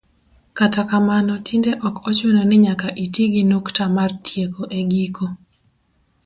kata kamano tinde ok ochuno ni nyaka iti gi nukta mar tieko e giko